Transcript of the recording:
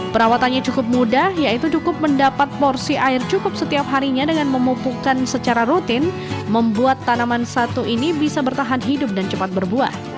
perawatannya cukup mudah yaitu cukup mendapat porsi air cukup setiap harinya dengan memupukkan secara rutin membuat tanaman satu ini bisa bertahan hidup dan cepat berbuah